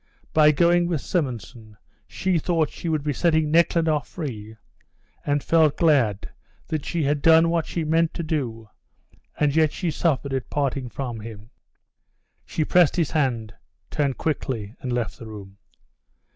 By going with Simonson she thought she would be setting Nekhludoff free, and felt glad that she had done what she meant to do, and yet she suffered at parting from him. She pressed his hand, turned quickly and left the room.